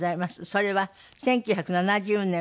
それは１９７０年